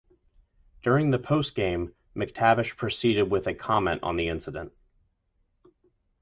During the post-game, MacTavish preceded with a comment on the incident.